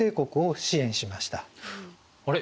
あれ？